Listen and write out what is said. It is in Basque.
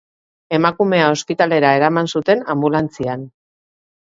Emakumea ospitalera eraman zuten anbulantzian.